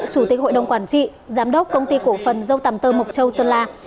chủ tịch hội đồng quản trị giám đốc công ty cổ phần dâu tầm tơ mộc châu sơn la